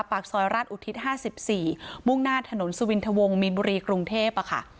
ปากซอยราชอุทิศ๕๔มุ่งหน้าถนนสุวินทวงมีนบุรีกรุงเทพค่ะ